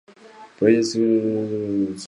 Por ella discurre el curso alto del río Bidasoa.